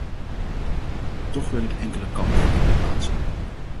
Toch wil ik enkele kanttekeningen plaatsen.